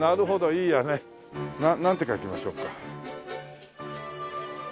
いいやね。なんて書きましょうか。